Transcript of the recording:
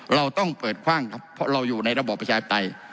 เราต้องเปิดคว่างครับเพราะเราอยู่ในระบอบประชาธิปไตย